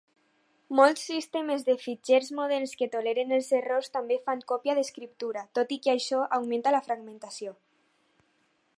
Molts sistemes de fitxers moderns que toleren els errors també fan còpia d'escriptura, tot i que això augmenta la fragmentació.